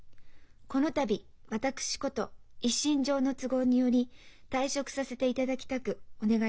この度私こと一身上の都合により退職させていただきたくお願い申し上げます。